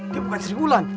dia bukan seriulan